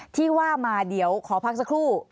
ที่ว่ามาเดี๋ยวขอพักสักครู่